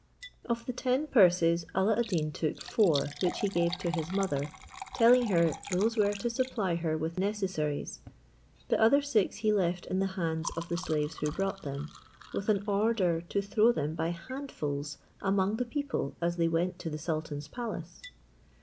Of the ten purses Alla ad Deen took four, which he gave to his mother, telling her, those were to supply her with necessaries; the other six he left in the hands of the slaves who brought them, with an order to throw them by handfuls among the people as they went to the sultan's palace.